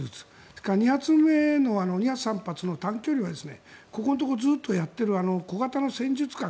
それから２発、３発の短距離はここのところずっとやってる小型の戦術核